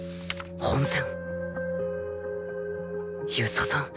本選遊佐さん